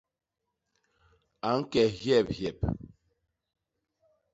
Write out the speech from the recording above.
A ñke hyebhyep.